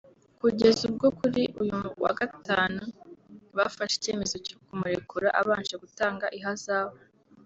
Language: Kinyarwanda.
kugeza ubwo kuri uyu wa Gatanu bafashe icyemezo cyo kumurekura abanje gutanga ihazabu